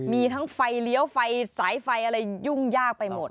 มีทั้งไฟเลี้ยวไฟสายไฟอะไรยุ่งยากไปหมด